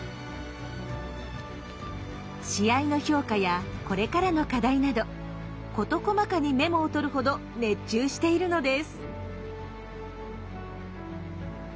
試合の評価やこれからの課題など事細かにメモをとるほど熱中しているのです。